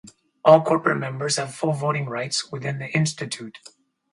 All corporate members have full voting rights within the Institute.